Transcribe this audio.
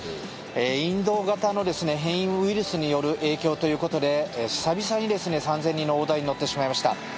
インド型の変異ウイルスによる影響ということで久々に３０００人の大台に乗ってしまいました。